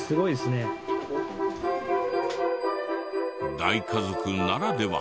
大家族ならでは。